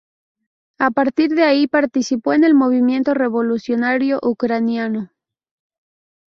A partir de ahí participó en el movimiento revolucionario ucraniano.